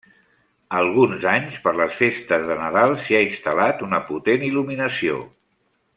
Alguns anys, per les festes de Nadal, s'hi ha instal·lat una potent il·luminació.